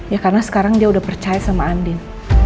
ya karena sekarang dia udah percaya sama andin